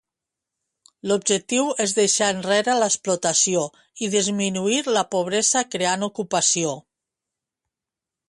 L'objectiu és deixar enrere l'explotació i disminuir la pobresa creant ocupació.